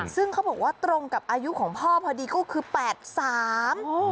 ซึ่งเขาบอกว่าตรงกับอายุของพ่อพอดีก็คือแปดสาม